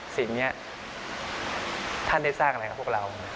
สิ่งนี้ท่านได้สร้างอะไรกับพวกเรา